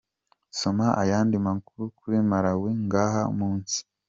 Soma ayandi makuru kuri Malawi ngaha munsi:.